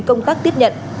công tác tiếp nhận